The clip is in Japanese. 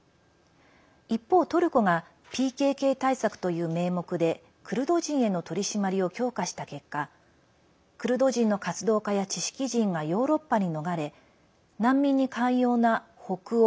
一方、トルコがＰＫＫ対策という名目でクルド人への取り締まりを強化した結果クルド人の活動家や知識人がヨーロッパに逃れ難民に寛容な北欧